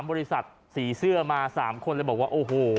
บริษัทสีเสื้อมา๓คนเลยบอกว่าโอ้โห